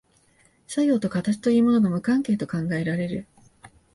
作用と形というものが無関係と考えられる。